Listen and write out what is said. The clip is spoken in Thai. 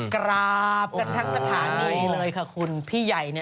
กราบกันทั้งสถานีเลยค่ะคุณพี่ใหญ่